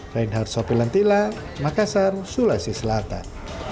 reinhard sopilantila makassar sulawesi selatan